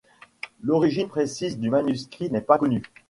L'origine précise du manuscrit n'est pas connue.